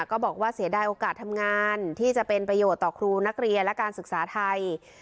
ก็บอกว่าเสียดายโอกาสทำงานที่จะเป็นประโยชน์ต่อครูนักเรียนและการศึกษาไทย